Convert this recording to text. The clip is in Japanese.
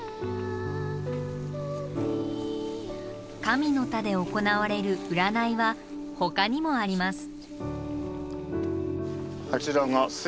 「神の田」で行われる占いはほかにもあります。